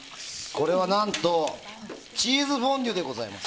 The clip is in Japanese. これは、何とチーズフォンデュでございます。